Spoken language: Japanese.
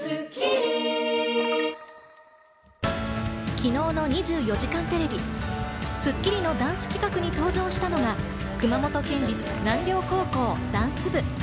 昨日の『２４時間テレビ』、『スッキリ』のダンス企画に登場したのは熊本県立南稜高校ダンス部。